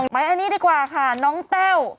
ไปอันนี้ดีกว่าค่ะน้องแต้ว